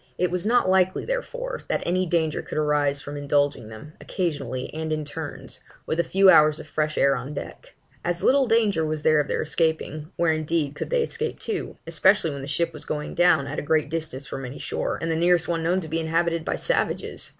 It was not likely, therefore, that any danger could arise from indulging them occasionally, and in turns, with a few hours of fresh air on deck. As little danger was there of their escaping; where indeed could they escape to especially when the ship was going down, at a great distance from any shore, and the nearest one known to be inhabited by savages?